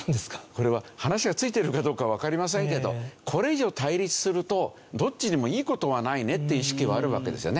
これは話がついてるかどうかはわかりませんけどこれ以上対立するとどっちにもいい事はないねっていう意識はあるわけですよね。